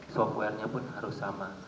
software nya pun harus sama